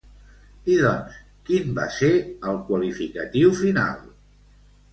I doncs, quin va ser el qualificatiu final?